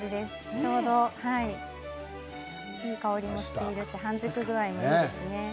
ちょうどいい香りもして半熟具合もいいですね。